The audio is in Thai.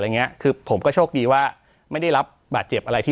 อย่างเงี้ยคือผมก็โชคดีว่าไม่ได้รับบาดเจ็บอะไรที่